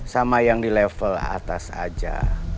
sama yang di level atas saja